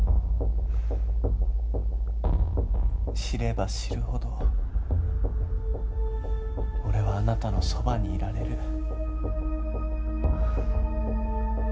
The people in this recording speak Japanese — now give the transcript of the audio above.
知れば知るほど俺はあなたの傍にいられる。